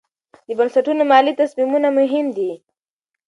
د بنسټونو مالي تصمیمونه مهم دي.